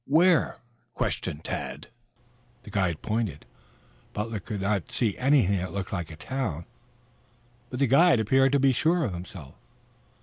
"Where?" questioned Tad. The guide pointed. Butler could not see anything that looked like a town, but the guide appeared to be sure of himself.